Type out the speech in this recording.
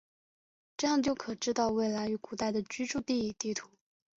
这样就可知道未来与古代的居住地地图。